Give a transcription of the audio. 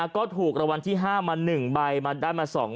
ก็ถูกรางวัลที่๕มา๑ใบมาได้มา๒๐๐